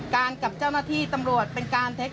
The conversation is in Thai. กับเจ้าหน้าที่ตำรวจเป็นการเท็จ